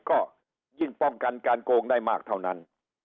ก็ยิ่งป้องกันการโกงได้มากเท่านั้น